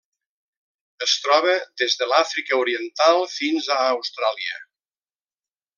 Es troba des de l'Àfrica Oriental fins a Austràlia.